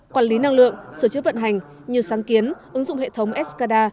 quản lý năng lượng sửa chữa vận hành như sáng kiến ứng dụng hệ thống scada